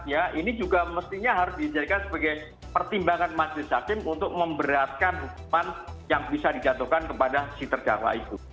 ya ini juga mestinya harus dijadikan sebagai pertimbangan majelis hakim untuk memberatkan hukuman yang bisa dijatuhkan kepada si terdakwa itu